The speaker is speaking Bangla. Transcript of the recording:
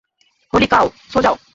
হলি কাউ, সো জাও!